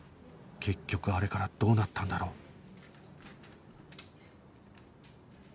結局あれからどうなったんだろう？